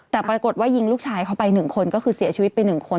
แต่ปรากฏว่ายิงลูกชายเขาไป๑คนก็คือเสียชีวิตไป๑คน